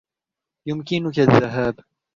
يمكنك الذهاب.